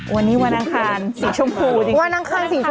วันนี้วันนางคลานสีชมพูวันนางคลานสีชมพู